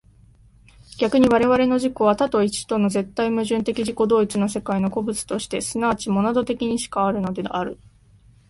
逆に我々の自己は多と一との絶対矛盾的自己同一の世界の個物として即ちモナド的にしかあるのである。